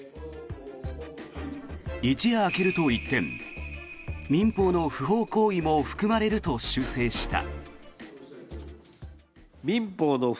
一夜明けると一転民法の不法行為も含まれると修正した。